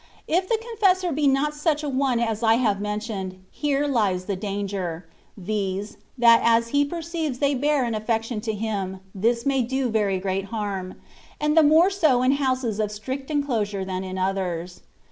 If the confessor be not such a one as I have mentioned, here lies the danger, viz., that as he perceives they bear an aflfection to him, this may do very great harm, and the more so in houses of strict enclosure than in others.